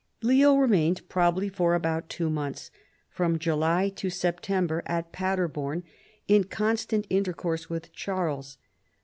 Leo remained probably for about two months, from July to September, at Paderborn, in constant intercourse with Charles.